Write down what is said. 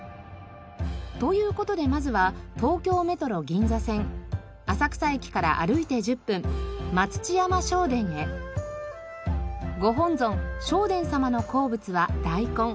という事でまずは東京メトロ銀座線浅草駅から歩いて１０分御本尊聖天様の好物は大根。